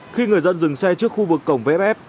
khi người dân dừng xe trước khu vực cổng vff